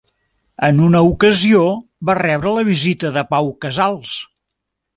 En una ocasió van rebre la visita de Pau Casals.